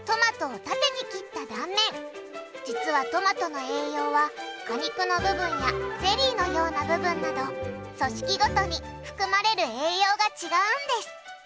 実はトマトの栄養は果肉の部分やゼリーのような部分など組織ごとに含まれる栄養が違うんです。